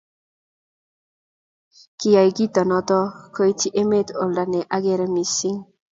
kiyai kito noto koitchi emet oldo ne ang'er mising'